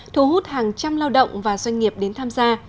thu hút hàng trăm lao động và doanh nghiệp đến tham gia